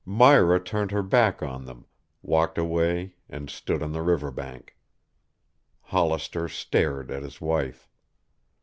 Myra turned her back on them, walked away and stood on the river bank. Hollister stared at his wife.